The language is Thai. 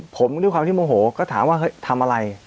ผมด้วยความที่โมโหก็ถามว่าเฮ้ยทำอะไร